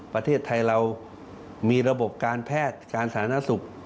ประเทศไทยเรามีระบบการแพทย์การสาธารณสุข